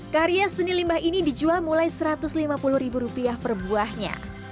karya seni limbah ini dijual mulai satu ratus lima puluh ribu rupiah per buahnya